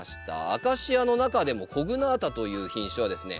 アカシアの中でもコグナータという品種はですね